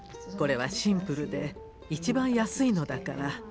これはシンプルでいちばん安いのだから。